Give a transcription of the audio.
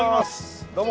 どうも。